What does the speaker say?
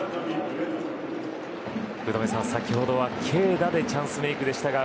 福留さん先ほどは軽打でチャンスメークでしたが